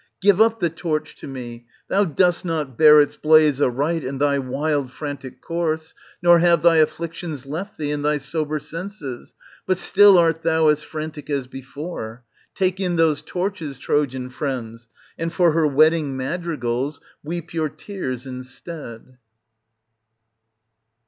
Give up the torch to me ; thou dost not bear its blaze aright in thy wild frantic course, nor have thy afflic tions left thee in thy sober senses,^ but still art thou as frantic as before. Take in those torches, Trojan friends, and for her wedding madrigals weep your tears instead.